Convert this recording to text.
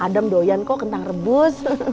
adem doyan kok kentang rebus